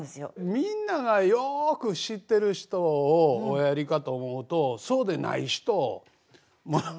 みんながよく知ってる人をおやりかと思うとそうでない人ものまね。